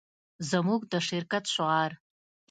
زموږ د شرکت شعار